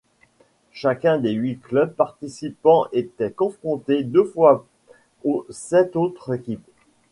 Chacun des huit clubs participant était confronté deux fois aux sept autres équipes.